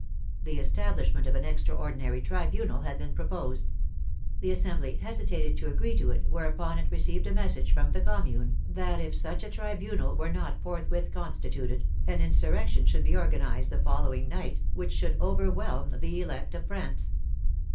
The establishment of an extraordinary tribunal had been proposed. The Assembly hesitated to agree to it, whereupon it received a message from the Commune that if such a tribunal were not forthwith con stituted, an insurrection should be organized the follow ing night which should overwhelm the elect of France.